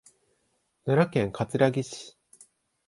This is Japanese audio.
奈良県葛城市